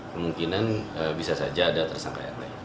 kemungkinan bisa saja ada tersangka yang lain